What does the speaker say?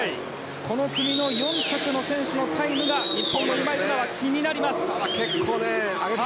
この組の４着の選手のタイムが日本の今井月は気になります。